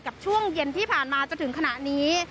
ช่วงเย็นที่ผ่านมาจนถึงขณะนี้